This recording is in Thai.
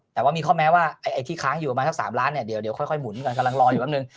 แต่ว่ามีข้อแม้ว่าไอ้ที่ค้างอยู่ประมาณสัก๓ล้านเนี่ยเดี๋ยวค่อยหมุนกันกำลังรออยู่แป๊บนึง